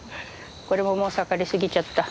これももう盛り過ぎちゃった。